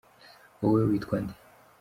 wowe witwande